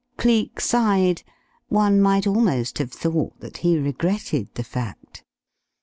Cleek sighed. One might almost have thought that he regretted the fact.